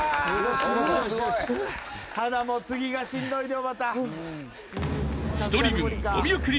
ただもう次がしんどいでおばた。